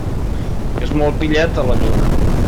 És molt pilleta, la lluna.